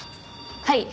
はい。